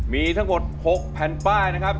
มีทั้งหมด๖แผ่นป้ายนะครับ